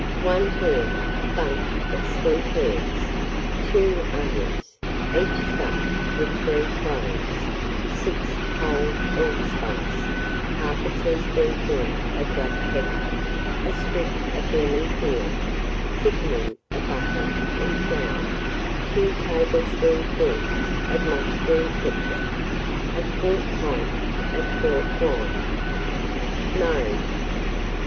1 hare, a bunch of sweet herbs, 2 onions, each stuck with 3 cloves, 6 whole allspice, 1/2 teaspoonful of black pepper, a strip of lemon peel, thickening of butter and flour, 2 tablespoonfuls of mushroom ketchup, 1/4 pint of port wine. _Mode.